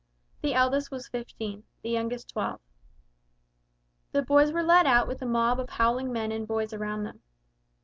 The eldest was fifteen, the youngest twelve. The boys were led out with a mob of howling men and boys around them.